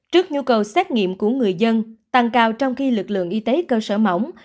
trước nhu cầu xét nghiệm của người dân tăng cao trong khi lực lượng y tế cơ sở mỏng